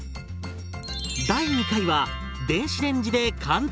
第２回は電子レンジで簡単！